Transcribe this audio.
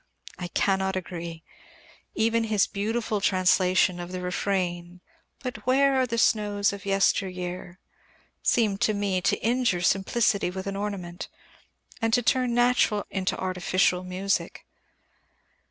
_ I cannot agree. Even his beautiful translation of the refrain, But where are the snows of yesteryear, seems to me to injure simplicity with an ornament, and to turn natural into artificial music.